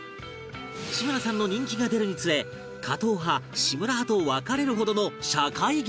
志村さんの人気が出るにつれ加藤派志村派と分かれるほどの社会現象に